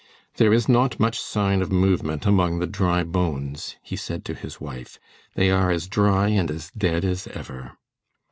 "There is not much sign of movement among the dry bones," he said to his wife. "They are as dry and as dead as ever."